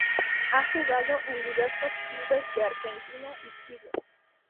Ha jugado en diversos clubes de Argentina y Chile.